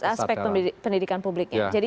aspek pendidikan publiknya